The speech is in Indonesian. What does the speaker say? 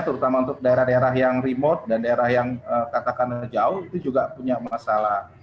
terutama untuk daerah daerah yang remote dan daerah yang katakan jauh itu juga punya masalah